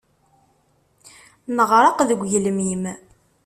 Neɣreq deg ugelmim.